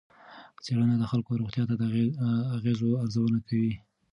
څېړنه د خلکو روغتیا ته د اغېزو ارزونه کوي.